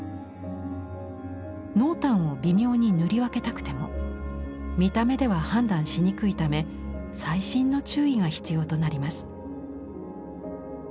濃淡を微妙に塗り分けたくても見た目では判断しにくいため細心の注意が必要となります。